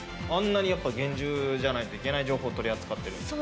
あんなに厳重じゃないといけない情報を取り扱っている。